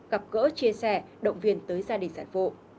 gặp gỡ chia sẻ động viên tới gia đình sản phụ